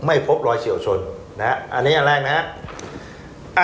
อันนี้อันแรกนะครับ